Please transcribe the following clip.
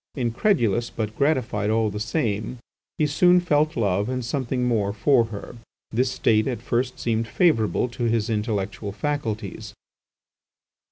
Incredulous, but gratified all the same, he soon felt love and something more for her. This state at first seemed favourable to his intellectual faculties.